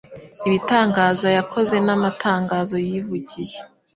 ibitangaza yakoze n’amatangazo yivugiye